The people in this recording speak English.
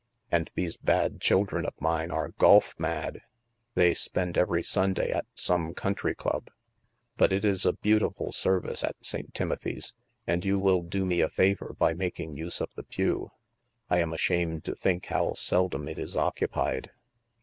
And these bad children of mine are golf mad; they spend every Sunday at some Country Club. But it is a beautiful service at St. Timothy's, and you will do me a favor by making use of the pew. I am ashamed to think how seldom it is occupied."